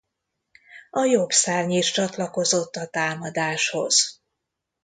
A jobb szárny is csatlakozott a támadáshoz.